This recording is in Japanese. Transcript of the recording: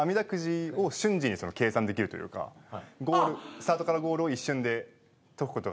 スタ―トからゴ―ルを一瞬で解く事が。